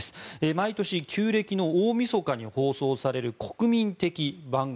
毎年旧暦の大みそかに放送される国民的番組